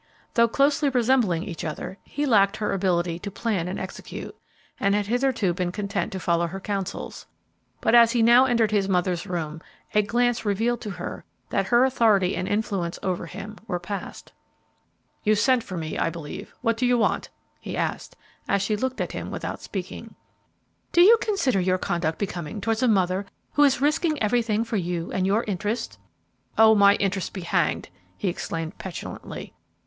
Though closely resembling each other, he lacked her ability to plan and execute, and had hitherto been content to follow her counsels. But, as he now entered his mother's room, a glance revealed to her that her authority and influence over him were past. "You sent for me, I believe. What do you want?" he asked, as she looked at him without speaking. "Do you consider your conduct becoming towards a mother who is risking everything for you and your interests?" "Oh, my interests be hanged," he exclaimed, petulantly.